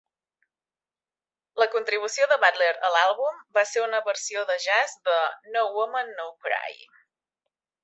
La contribució de Butler a l'àlbum va ser una versió de jazz de "No Woman No Cry".